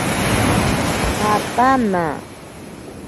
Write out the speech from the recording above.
Jataana.